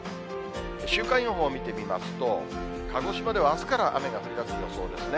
週間予報見てみますと、鹿児島ではあすから雨が降りだす予想ですね。